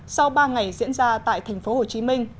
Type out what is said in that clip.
sau ba ngày diễn ra tại tp hcm